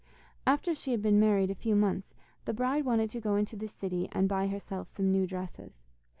After she had been married a few months the bride wanted to go into the city and buy herself some new dresses.